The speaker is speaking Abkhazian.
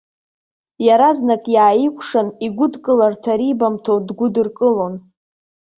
Иаразнак иааикәшан, игәыдкыларҭа рибамҭо дгәыдыркылон.